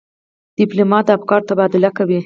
ډيپلومات د افکارو تبادله کوي.